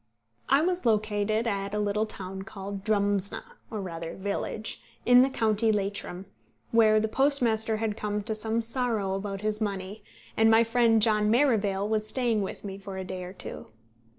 I was located at a little town called Drumsna, or rather village, in the county Leitrim, where the postmaster had come to some sorrow about his money; and my friend John Merivale was staying with me for a day or two.